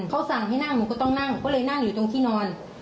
เขาสั่งให้นั่งหนูก็ต้องนั่งก็เลยนั่งอยู่ตรงที่นอน